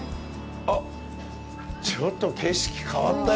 あっ、ちょっと景色変わったよ。